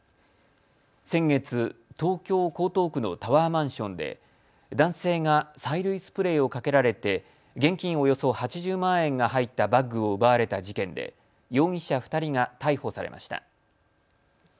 先月、東京江東区のタワーマンションで男性が催涙スプレーをかけられて現金およそ８０万円が入ったバッグを奪われた事件で容疑者２人が逮捕されました。